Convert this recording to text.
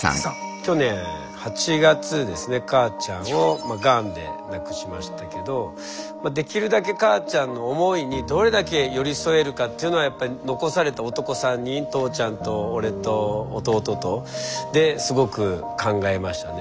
去年８月ですね母ちゃんをがんで亡くしましたけどできるだけ母ちゃんの思いにどれだけ寄り添えるかっていうのはやっぱり残された男３人父ちゃんと俺と弟とですごく考えましたね。